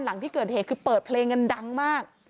หลังที่เกิดเหตุคือเปิดเพลงกันดังมาก